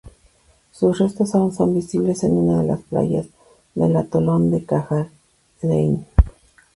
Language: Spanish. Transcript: Sus restos aún son visibles en una de las playas del atolón de Kwajalein.